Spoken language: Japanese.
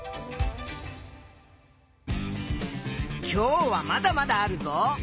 今日はまだまだあるぞ。